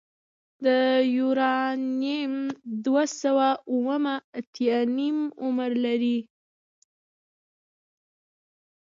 د یورانیم دوه سوه اوومه اتیا نیم عمر لري.